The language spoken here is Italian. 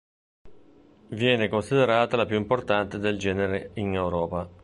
Viene considerata la più importante del genere in Europa.